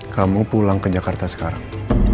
kamu pulang ke jakarta sekarang